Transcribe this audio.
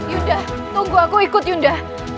yunde tunggu aku ikut yunde